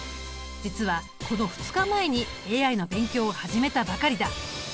実はこの２日前にＡＩの勉強を始めたばかりだ。